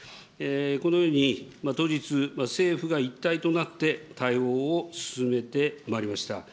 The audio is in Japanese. このように、当日、政府が一体となって対応を進めてまいりました。